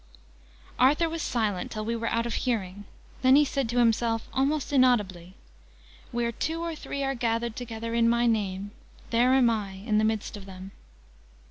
Arthur was silent till we were out of hearing. Then he said to himself, almost inaudibly, "Where two or three are gathered together in my name, there am I in the midst of them."